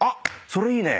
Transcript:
それいいね。